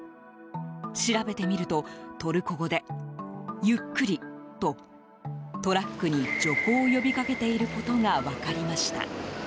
調べてみると、トルコ語でゆっくり！とトラックに徐行を呼びかけていることが分かりました。